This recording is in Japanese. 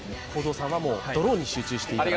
さんはもう、ドローンに集中していただいて。